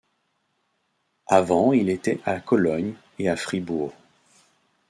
Avant il était à Cologne et à Fribourg.